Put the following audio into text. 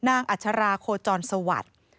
อัชราโคจรสวัสดิ์